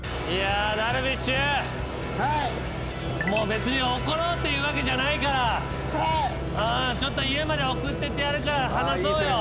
別に怒ろうっていうわけじゃないから家まで送ってってやるから話そうよ。